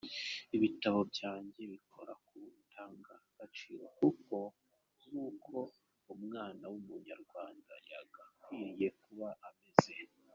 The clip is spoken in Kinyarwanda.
Ibitabo byanjye bikora ku ndangagaciro z’uko umwana w’Umunyarwanda yagakwiye kuba ameze.